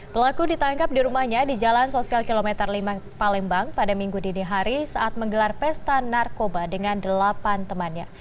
pelaku ditangkap di rumahnya di jalan sosial kilometer lima palembang pada minggu dini hari saat menggelar pesta narkoba dengan delapan temannya